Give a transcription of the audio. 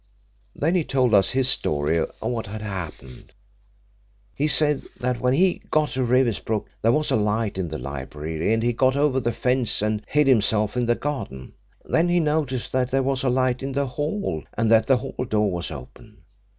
"Then he told us his story of what had happened. He said that when he got to Riversbrook there was a light in the library and he got over the fence and hid himself in the garden. Then he noticed that there was a light in the hall and that the hall door was open.